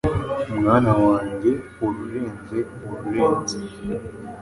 Mwana wange ururenze ururenze.”